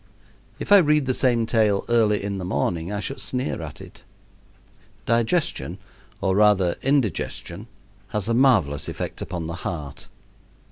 If I read the same tale early in the morning I should sneer at it. Digestion, or rather indigestion, has a marvelous effect upon the heart.